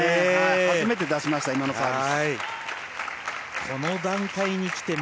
初めて出しました、今のサーブ。